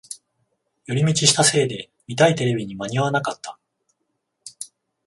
寄り道したせいで見たいテレビに間に合わなかった